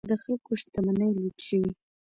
د خلکو شتمنۍ لوټ شوې.